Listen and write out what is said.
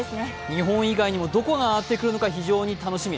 日本以外にもどこが上がってくるか非常に楽しみ。